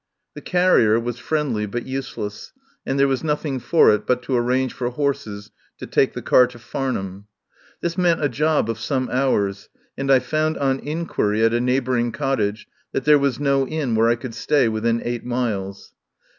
The carrier was friendly but useless, and there was nothing for it but to arrange for horses to take the car to Farnham. This* meant a job of some hours, and I found on inquiry at a neighbouring cottage that there was no inn where I could stay within eight miles.